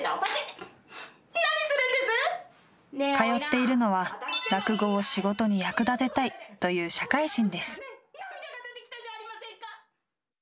通っているのは落語を仕事に役立てたいという社会人です。